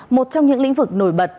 một trong những lĩnh vực nổi bật